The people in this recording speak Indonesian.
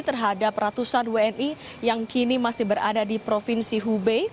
terhadap ratusan wni yang kini masih berada di provinsi hubei